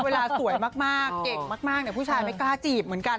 เวลาสวยมากเก่งมากผู้ชายไม่กล้าจีบเหมือนกัน